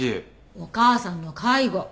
お母さんの介護。